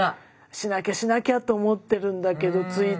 しなきゃしなきゃと思ってるんだけどついついしなくてね。